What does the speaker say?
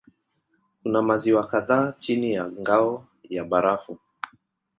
Kuna maziwa kadhaa chini ya ngao ya barafu.